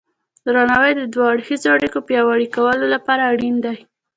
درناوی د دوه اړخیزو اړیکو پیاوړي کولو لپاره اړین دی.